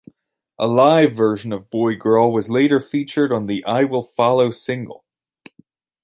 A live version of "Boy-Girl" was later featured on the "I Will Follow" single.